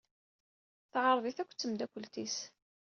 Teɛreḍ-it akked temdakelt-is.